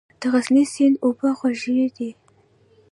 د غزني سیند اوبه خوږې دي